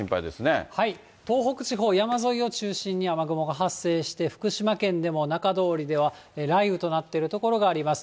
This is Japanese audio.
東北地方、山沿いを中心に雨雲が発生して、福島県でもなかどおりでは雷雨となっている所があります。